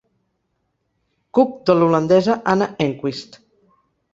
Cook de l'holandesa Anna Enquist.